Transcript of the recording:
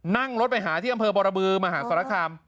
นั่งรถไปหาที่อำเภอบรบรมมาหาสถานกรรม